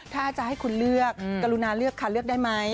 ถ้าจะให้คุณเลือกกรุณาเลือกค่ะเลือกได้ไหม